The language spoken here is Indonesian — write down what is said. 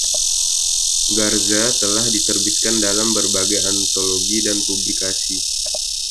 Garza telah diterbitkan dalam berbagai antologi dan publikasi.